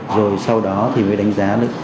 rồi sau đó thì mới đánh giá được